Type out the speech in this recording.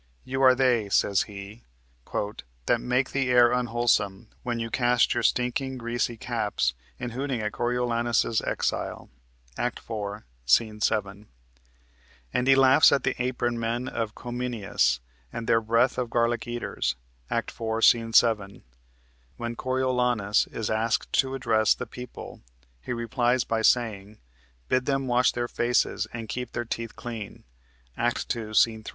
"You are they," says he, "That make the air unwholesome, when you cast Your stinking, greasy caps, in hooting at Coriolanus's exile." (Act 4, Sc. 7.) And he laughs at the "apron men" of Cominius and their "breath of garlic eaters" (Act 4, Sc. 7). When Coriolanus is asked to address the people, he replies by saying: "Bid them wash their faces, and keep their teeth clean" (Act 2, Sc. 3).